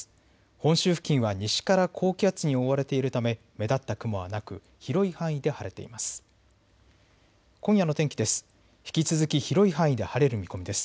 本州付近は西から高気圧に覆われているため目立った雲はなく広い範囲で晴れています。